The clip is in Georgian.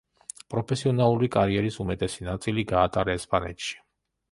პროფესიონალური კარიერის უმეტესი ნაწილი გაატარა ესპანეთში.